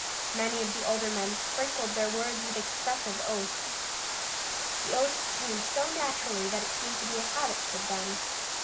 Many of the older men sprinkled their words with expressive oaths. The oaths came so naturally that it seemed to be a habit with them.